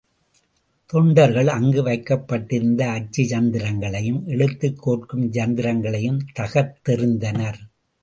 தொண்டர்கள் அங்கு வைக்கப்பட்டிருந்த அச்சு யந்திரங்களையும் எழுத்துக்கோர்க்கும் யந்திரங்களையும் தகர்த்தெறிந்தனர்.